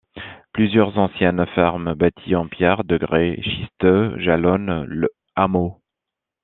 Plusieurs anciennes fermes bâties en pierre de grès schisteux jalonnent le hameau.